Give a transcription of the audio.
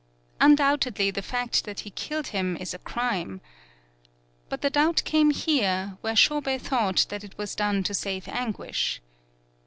Undoubtedly, the fact that he killed him is a crime. But the doubt came here, where Shobei thought that it was done to save anguish.